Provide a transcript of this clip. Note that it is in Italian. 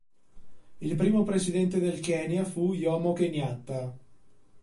Il primo presidente del Kenya fu Jomo Kenyatta.